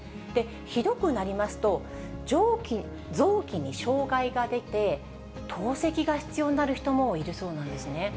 ひどくなりますと、臓器に障害が出て、透析が必要になる人もいるそうなんですね。